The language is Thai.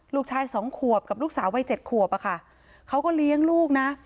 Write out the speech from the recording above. ลูกชายสองขวบกับลูกสาววัยเจ็ดขวบอะค่ะเขาก็เลี้ยงลูกนะ